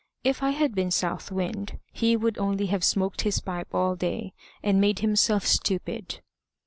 If I had been South Wind, he would only have smoked his pipe all day, and made himself stupid."